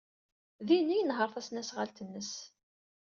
Din ay yenheṛ tasnasɣalt-nnes.